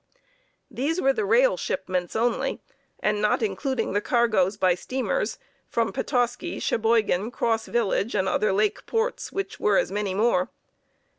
These were the rail shipments only, and not including the cargoes by steamers from Petoskey, Cheboygan, Cross Village and other lake ports, which were as many more.